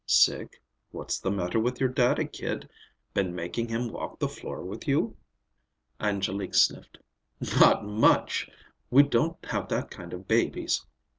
"Sick? What's the matter with your daddy, kid? Been making him walk the floor with you?" Angélique sniffed. "Not much! We don't have that kind of babies.